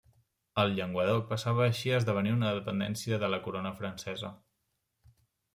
El Llenguadoc passava així a esdevenir una dependència de la corona francesa.